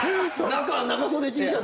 中の長袖Ｔシャツ。